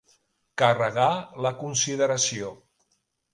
Carregar la consideració.